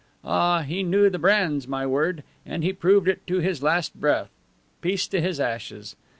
Ah, he knew the brands, my word! and he proved it to his last breath! Peace to his ashes!